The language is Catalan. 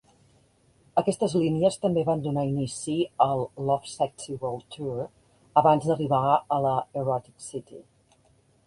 Aquestes línies també van donar inici al Lovesexy World Tour, abans d'arribar a la "Erotic City".